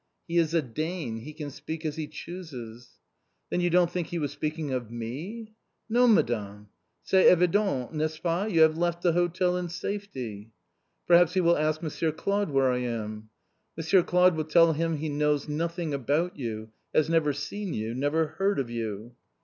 "He is a Dane, he can speak as he chooses." "Then you don't think he was speaking of me?" "No, Madame! C'est évident, n'est ce pas? You have left the hotel in safety!" "Perhaps he will ask Monsieur Claude where I am?" "Monsieur Claude will tell him he knows nothing about you, has never seen you, never heard of you!"